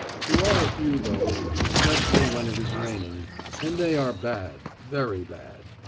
There are a few, though, especially when it is raining; and they are bad, very bad.